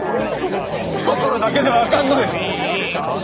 心だけではあかんのです！